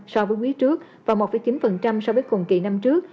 so với quý trước và một chín so với cùng kỳ năm trước